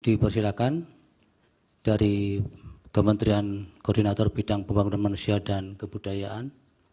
dipersilakan dari kementerian koordinator bidang pembangunan manusia dan kebudayaan